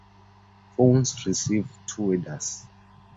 Fons received two wethers.